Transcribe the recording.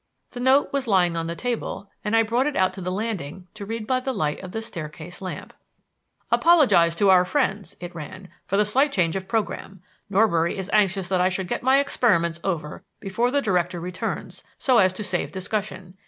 The note was lying on the table and I brought it out to the landing to read by the light of the staircase lamp. "Apologize to our friends," it ran, "_for the slight change of programme. Norbury is anxious that I should get my experiments over before the Director returns, so as to save discussion.